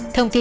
thông tin là